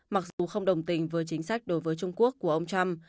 mặc dù không đồng tình với chính sách đối với trung quốc của ông trump